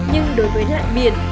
nhưng đối với ngại biển